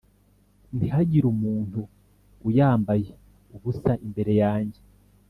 ntihakagire umuntu uzayambaye ubusa imbere yanjye